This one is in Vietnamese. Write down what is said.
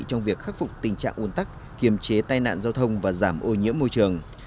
trong việc khắc phục tình trạng ồn tắc kiềm chế tai nạn giao thông và giảm ô nhiễm môi trường